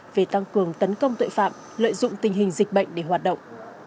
về tăng cường tấn công tội phạm lợi dụng tình hình dịch bệnh để hoạt động